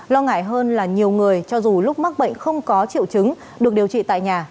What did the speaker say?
lo ngại hơn là nhiều người cho dù lúc mắc bệnh không có triệu chứng được điều trị tại nhà